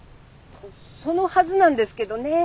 そのはずなんですけどね。